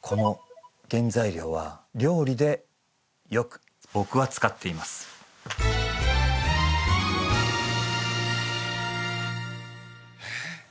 この原材料は料理でよく僕は使っていますえっ？